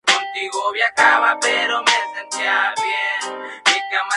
Como hija de Julio González preservó y difundió el legado de su padre.